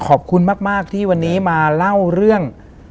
ขอบคุณมากที่วันนี้มาเล่าเรื่อง